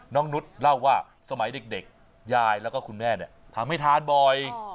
นุษย์เล่าว่าสมัยเด็กยายแล้วก็คุณแม่เนี่ยทำให้ทานบ่อย